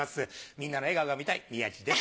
みんなの笑顔が見たい宮治です。